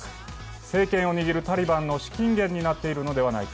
政権を握るタリバンの資金源になっているのではないか。